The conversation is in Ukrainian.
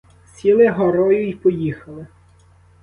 Сіли горою й поїхали.